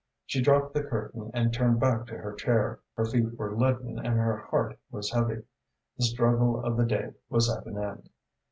She dropped the curtain and turned back to her chair. Her feet were leaden and her heart was heavy. The struggle of the day was at an end.